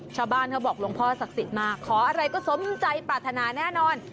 เขาบอกหลวงพ่อศักดิ์สิทธิ์มาขออะไรก็สมใจปรารถนาแน่นอน